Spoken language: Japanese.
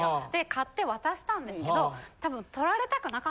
買って渡したんですけどたぶん。